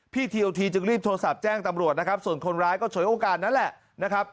ทีโอทีจึงรีบโทรศัพท์แจ้งตำรวจนะครับส่วนคนร้ายก็ฉวยโอกาสนั้นแหละนะครับ